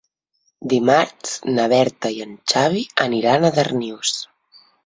Dimarts na Berta i en Xavi aniran a Darnius.